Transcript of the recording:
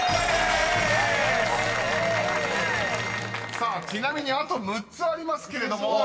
［さあちなみにあと６つありますけれども］